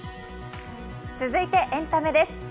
続いてエンタメです。